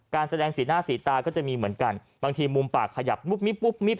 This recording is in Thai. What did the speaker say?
การแสดงสีหน้าสีตาก็จะมีเหมือนกันบางทีมุมปากขยับมุบมิบมิบ